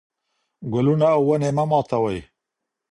ګلونه او ونې مه ماتوئ.